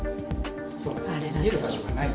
逃げる場所がない。